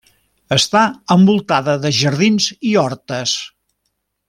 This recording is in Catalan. Està envoltada de jardins i hortes.